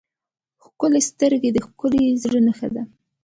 ښکلي سترګې د ښکلي زړه نښه ده.